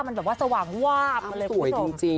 มันสว่างว่ามมาเลย